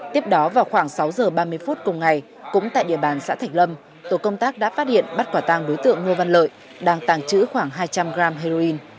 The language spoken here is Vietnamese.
tiếp đó vào khoảng sáu giờ ba mươi phút cùng ngày cũng tại địa bàn xã thạch lâm tổ công tác đã phát hiện bắt quả tàng đối tượng ngô văn lợi đang tàng trữ khoảng hai trăm linh g heroin